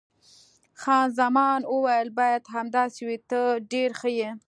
خان زمان وویل: باید همداسې وي، ته ډېر ښه یې.